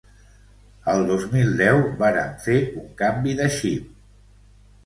El dos mil deu vàrem fer un canvi de xip.